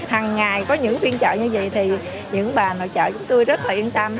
hằng ngày có những phiên chợ như vậy thì những bà nội trợ chúng tôi rất là yên tâm